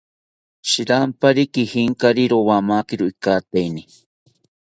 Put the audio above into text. Shirampari kijinkari, rowamakiro ikateini